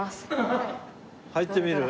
入ってみる？